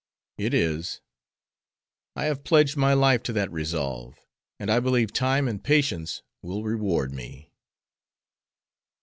"It is. I have pledged my life to that resolve, and I believe time and patience will reward me."